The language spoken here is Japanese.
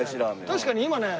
確かに今ね。